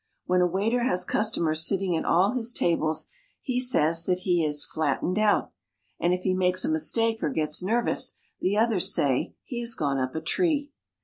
When a waiter has customers sitting at all his tables, he says that he is flattened out. And if he makes a mistake or gets nervous, the others say he has gone up a tree.